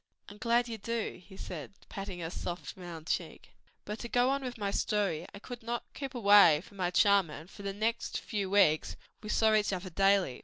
"I'm glad you do," he said, patting her soft round cheek. "But to go on with my story. I could not keep away from my charmer, and for the next few weeks we saw each other daily.